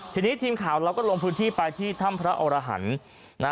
ทีนี้ทีมข่าวเราก็ลงพื้นที่ไปที่ถ้ำพระอรหันธ์